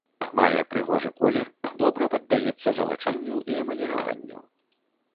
Мае прыгожы колер, добра паддаецца залачэнню і эмаліраванню.